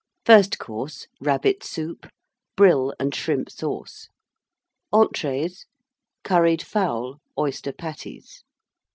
FIRST COURSE. Rabbit Soup. Brill and Shrimp Sauce. ENTREES. Curried Fowl. Oyster Patties.